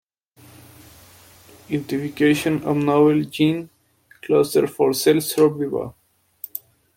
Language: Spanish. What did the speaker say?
Identification of novel gene clusters for cell survival.